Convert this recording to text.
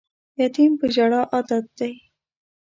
یتیم په ژړا عادت دی